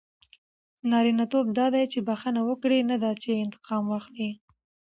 نارینه توب دا دئ، چي بخښنه وکړئ؛ نه دا چي انتقام واخلى.